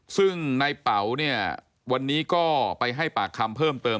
ซึ่งนายเป๋าวันนี้ก็ไปให้ปากคำเพิ่มเติม